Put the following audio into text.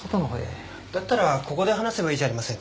だったらここで話せばいいじゃありませんか。